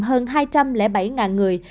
hơn hai trăm linh bảy người